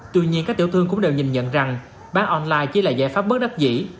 tuy nhiên các tiểu thương cũng đều nhìn nhận rằng bán online chỉ là giải pháp bất đắc dĩ